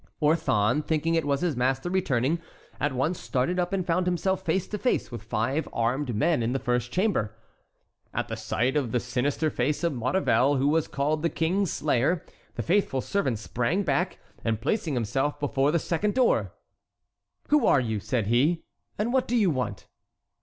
Orthon, thinking it was his master returning, at once started up and found himself face to face with five armed men in the first chamber. At sight of the sinister face of Maurevel, who was called the King's Slayer, the faithful servant sprang back, and placing himself before the second door: "Who are you?" said he, "and what do you want?"